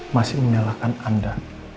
masih menyalahkan anda